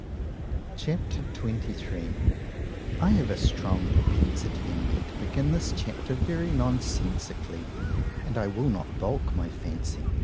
C H A P. XXIII I HAVE a strong propensity in me to begin this chapter very nonsensically, and I will not balk my fancy.